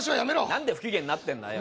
何で不機嫌になってんのよ